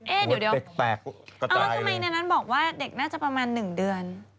เอ๊ะเดี๋ยวเอ้าทำไมในนั้นบอกว่าเด็กน่าจะประมาณหนึ่งเดือน